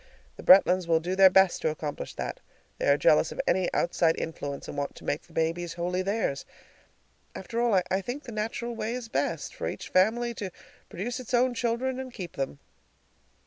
The Bretlands will do their best to accomplish that. They are jealous of any outside influence and want to make the babies wholly theirs. After all, I think the natural way is best for each family to produce its own children, and keep them.